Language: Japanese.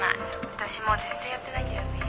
「私も全然やってないんだよね」